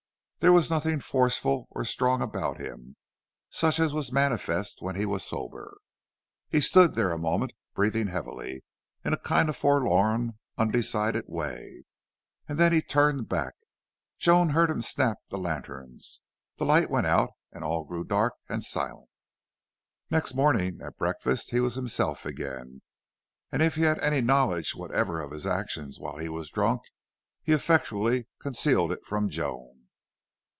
There was nothing forceful or strong about him, such as was manifest when he was sober. He stood there a moment, breathing heavily, in a kind of forlorn, undecided way, and then he turned back. Joan heard him snap the lanterns. The lights went out and all grew dark and silent. Next morning at breakfast he was himself again, and if he had any knowledge whatever of his actions while he was drunk, he effectually concealed it from Joan.